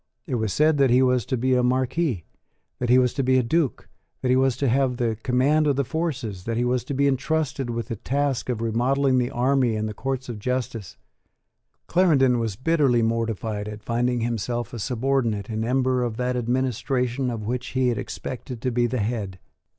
It was said that he was to be a Marquess, that he was to be a Duke, that he was to have the command of the forces, that he was to be entrusted with the task of remodelling the army and the courts of justice. Clarendon was bitterly mortified at finding himself a subordinate in ember of that administration of which he had expected to be the head.